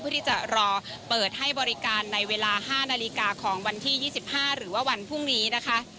ที่จะรอเปิดให้บริการในเวลา๕นาฬิกาของวันที่๒๕หรือว่าวันพรุ่งนี้นะคะ